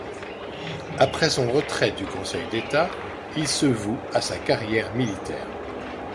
Après son retrait du Conseil d’Etat, il se voue à sa carrière militaire.